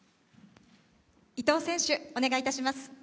伊藤選手、お願いいたします。